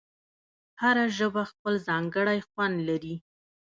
هره ژبه خپل ځانګړی خوند لري.